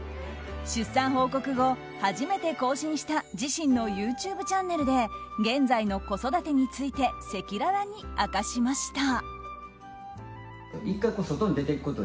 出産報告後、初めて更新した自身のＹｏｕＴｕｂｅチャンネルで現在の子育てについて赤裸々に明かしました。